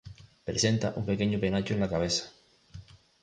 Presenta un pequeño penacho en la cabeza.